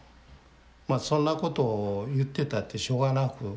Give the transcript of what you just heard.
そんなことを言ってたってしょうがなく。